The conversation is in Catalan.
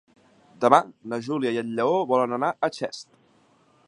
Demà na Júlia i en Lleó volen anar a Xest.